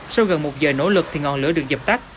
sau gần một giờ nỗ lực thì ngọn lửa được dập tắt